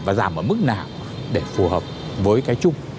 và giảm ở mức nào để phù hợp với cái chung